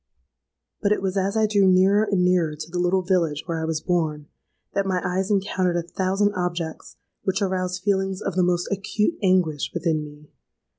"But it was as I drew nearer and nearer to the little village where I was born, that my eyes encountered a thousand objects which aroused feelings of the most acute anguish within me.